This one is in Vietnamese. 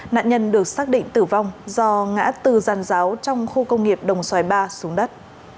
nạn nhân được xác định tử vong do ngã từ gian giáo trong khu công nghiệp đồng xoài ba xuống đất